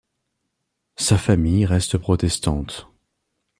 Sa famille reste protestante.